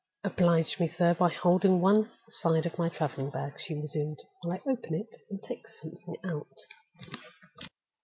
"Oblige me, sir, by holding one side of my traveling bag," she resumed, "while I open it and take something out."